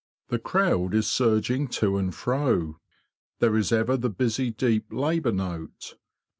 The crowd is surging to and fro. There is ever the busy deep labour note.